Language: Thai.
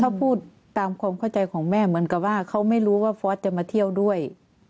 เขาพูดตามความเข้าใจของแม่เหมือนกับว่าเขาไม่รู้ว่าฟอร์สจะมาเที่ยวด้วย